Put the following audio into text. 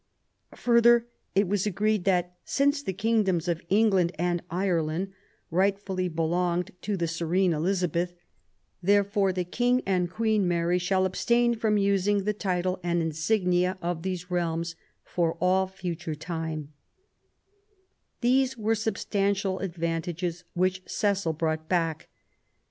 Further, it was agreed that " since the Kingdoms of England and Ireland rightly belonged to the serene Elizabeth, therefore the King and Queen Mary shall abstain from using the title and insignia of these realms for all future time '\ These were substantial advantages which Cecil brought back.